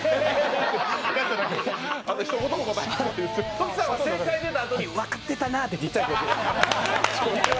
トキさんは正解出たあとに、実は分かってたなって。